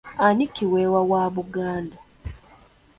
Ani kiweewa wa Buganda?